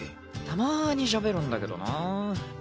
たまにしゃべるんだけどな。